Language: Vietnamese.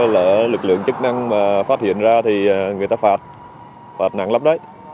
lỡ lực lượng chức năng mà phát hiện ra thì người ta phạt phạt nặng lắm đấy